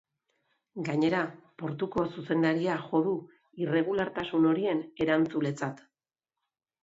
Gainera, portuko zuzendaria jo du irregulartasun horien erantzuletzat.